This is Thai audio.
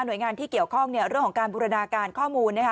โดยงานที่เกี่ยวข้องเรื่องของการบูรณาการข้อมูล